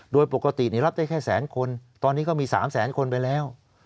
โดยปกติรับได้แค่แสนคนตอนนี้ก็มี๓แสนคนไปแล้ว